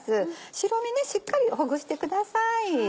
白身しっかりほぐしてください。